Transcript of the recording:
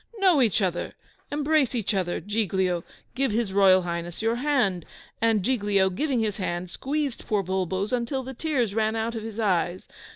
Know each other! Embrace each other! Giglio, give His Royal Highness your hand!" And Giglio, giving his hand, squeezed poor Bulbo's until the tears ran out of his eyes.